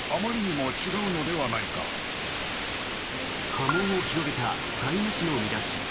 波紋を広げた「タイム」誌の見出し。